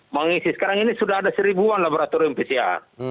mengisi sekarang ini sudah ada seribuan laboratorium pcr